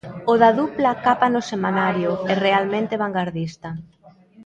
O da dupla capa no semanario é realmente vangardista.